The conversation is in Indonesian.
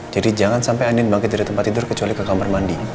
jadi jangan sampai andin bangkit dari tempat tidur kecuali ke kamar mandi